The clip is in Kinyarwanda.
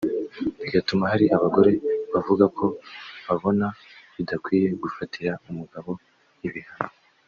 bigatuma hari abagore bavuga ko babona bidakwiye gufatira umugabo ibihano